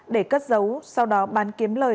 để cất giấu sau đó bán kiếm lời